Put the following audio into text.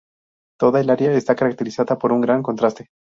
Toda el área está caracterizada por un gran contraste.